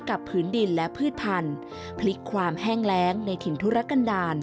ผืนดินและพืชพันธุ์พลิกความแห้งแรงในถิ่นธุรกันดาล